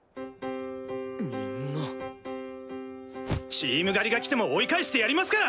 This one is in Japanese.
チーム狩りが来ても追い返してやりますから！